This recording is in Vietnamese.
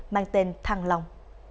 mang tên thăng long